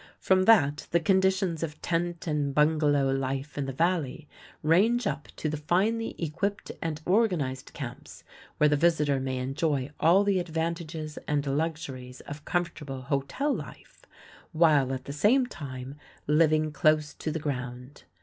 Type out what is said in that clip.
From that the conditions of tent and bungalow life in the Valley range up to the finely equipped and organized camps, where the visitor may enjoy all the advantages and luxuries of comfortable hotel life, while at the same time living close to the ground.